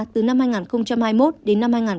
từ năm hai nghìn hai mươi một đến năm hai nghìn hai mươi hai